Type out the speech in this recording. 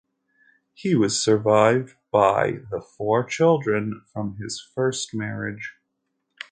He was survived by the four children from his first marriage.